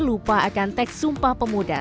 lupa akan teks sumpah pemuda